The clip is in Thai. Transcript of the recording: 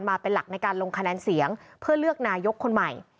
มาเป็นหลักในการลงคะแนนเสียงเพื่อเลือกนายกคนใหม่